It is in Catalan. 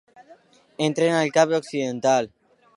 Entren al Cap Occidental.